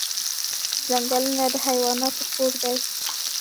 ځنګلونه د حیواناتو کور دی